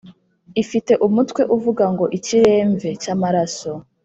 ifite umutwe uvuga ngo ikiremve [cy’amaraso],”